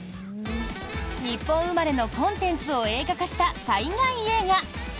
日本生まれのコンテンツを映画化した海外映画。